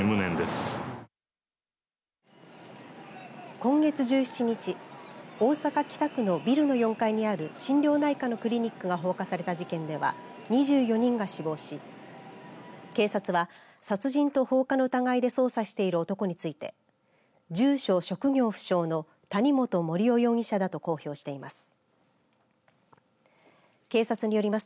今月１７日大阪、北区のビルの４階にある心療内科のクリニックが放火された事件では２４人が死亡し警察は、殺人と放火の疑いで捜査している男について住所、職業不詳の谷本盛雄容疑者だと公表しています。